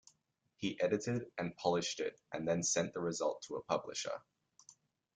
He edited and polished it and then sent the result to a publisher.